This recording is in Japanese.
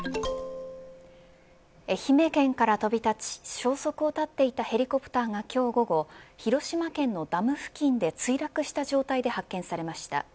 愛媛県から飛び立ち消息を絶っていたヘリコプターが今日午後広島県のダム付近で墜落した状態で発見されました。